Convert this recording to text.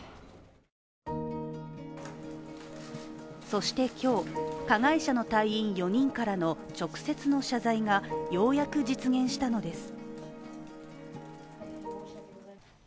そして今日、加害者の隊員４人からの直接の謝罪がようやく実現したのです。